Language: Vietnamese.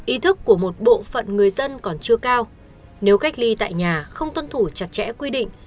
ý thức của một bộ phận người dân còn chưa cao nếu cách ly tại nhà không tuân thủ chặt chẽ quy định